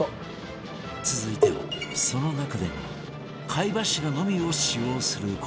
続いてはその中でも貝柱のみを使用する事